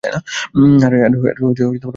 আরে ওই অপারেশন নয়।